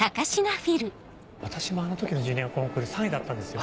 私もあの時のジュニアコンクール３位だったんですよ。